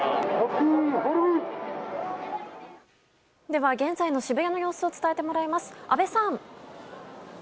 では、現在の渋谷の様子を伝えてもらいます。